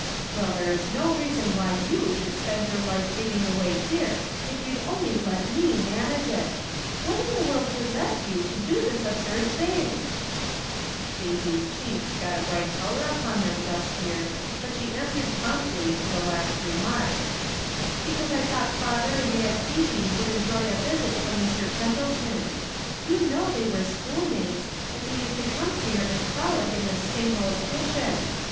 " Well, there is no reason why you should spend your life digging away here, if you'd only let me manage it. What in the world possessed you to do this absurd thing ?" Daisy's cheeks got a bright color upon them just here, but she answered promptly to the last remark :" Because I thought father and Aunt Phebe would enjoy a visit from Mr. Pendleton. You know they were school mates, and he used to come 30 From Different Standpoints. here and frolic in tliis same old kitchen.